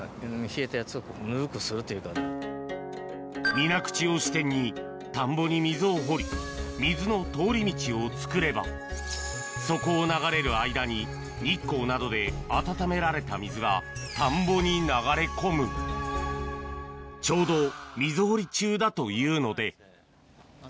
水口を支点に田んぼに溝を掘り水の通り道をつくればそこを流れる間に日光などで温められた水が田んぼに流れ込むちょうどあれです。